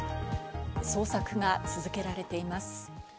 捜索が続けられています。